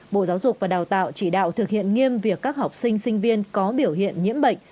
bộ giáo dục và đào tạo chỉ đạo thực hiện nghiêm việc các học sinh sinh viên có biểu hiện nhiễm bệnh